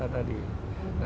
nah yang lain lain yang minta